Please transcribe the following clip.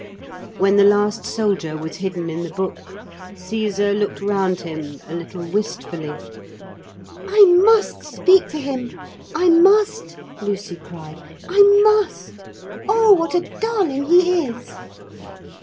When the last soldier was hidden in the book, Caesar looked round him, a little wistfully. 'I must speak to him; I must,' Lucy cried; 'I must. Oh, what a darling he is!'